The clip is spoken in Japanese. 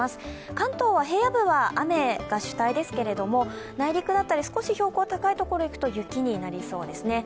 関東は平野部は雨が主体ですけれども、内陸だったり少し標高高いところに行くと雪になりそうですね。